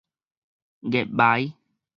月眉